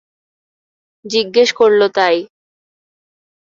জিজ্ঞেস করল তাই।